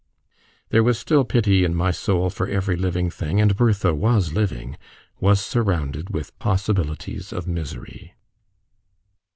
There was still pity in my soul for every living thing, and Bertha was living was surrounded with possibilities of misery.